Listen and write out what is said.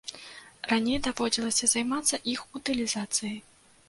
Раней даводзілася займацца іх утылізацыяй.